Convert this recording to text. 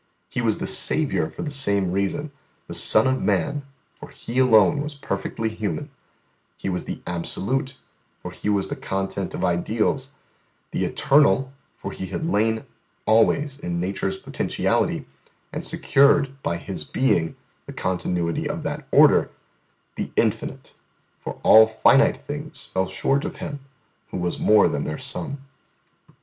He was the Saviour for the same reason the Son of Man, for He alone was perfectly human; He was the Absolute, for He was the content of Ideals; the Eternal, for He had lain always in nature's potentiality and secured by His being the continuity of that order; the Infinite, for all finite things fell short of Him who was more than their sum.